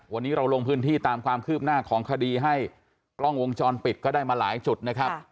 วันนี้เราลงพื้นที่ตามความคืบหน้าของคดีให้กล้องวงจรปิดก็ได้มาหลายจุดนะครับ